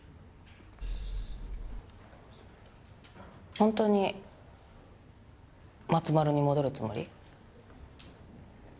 本当にまつまるに戻るつもり？